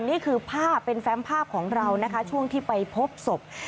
นี่คือภาพเป็นแฟมภาพของเรานะคะช่วงที่ไปพบศพ